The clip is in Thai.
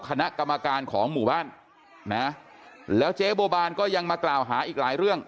คณะกรรมการของหมู่บ้านนะแล้วเจ๊บัวบานก็ยังมากล่าวหาอีกหลายเรื่อง